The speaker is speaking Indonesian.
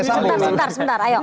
sebentar sebentar ayo